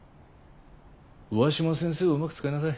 上嶋先生をうまく使いなさい。